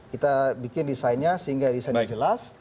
kita bikin desainnya sehingga desainnya jelas